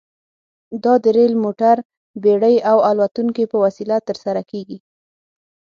دا د ریل، موټر، بېړۍ او الوتکې په وسیله ترسره کیږي.